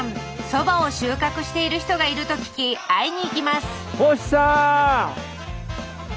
そばを収穫している人がいると聞き会いに行きます